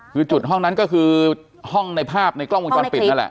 คือจุดห้องนั้นก็คือห้องในภาพในกล้องวงจรปิดนั่นแหละ